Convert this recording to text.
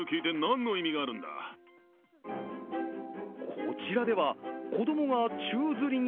こちらでは子どもが宙づりに。